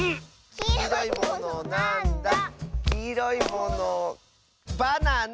「きいろいものバナナ！」